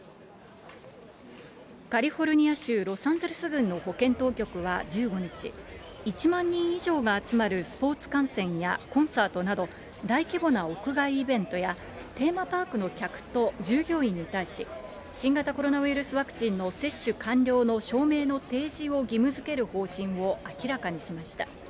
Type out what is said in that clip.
カリフォルニア州ロサンゼルス郡の保健当局は１５日、１万人以上が集まるスポーツ観戦やコンサートなど、大規模な屋外イベントや、テーマパークの客と従業員に対し、新型コロナウイルスワクチンの接種完了の証明の提示を義務づける方針を明らかにしました。